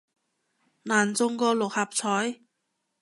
難中過六合彩